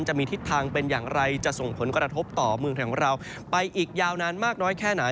จะมีทิศทางเป็นอย่างไรจะส่งผลกระทบต่อเมืองไทยของเราไปอีกยาวนานมากน้อยแค่ไหน